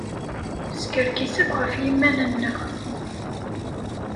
Neskerkis akk ɣef yiman-nneɣ.